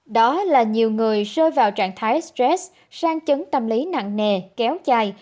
đó là nhiều người rơi vào trạng thái stress sang chấn tâm lý nặng nề kéo dài